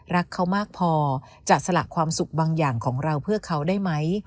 รักเขามากพอจะสละความสุขบางอย่างของเราเพื่อเขาได้ไหม